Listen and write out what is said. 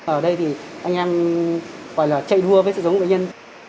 ở đây thì anh em gọi là chạy đua với sự giống bệnh nhân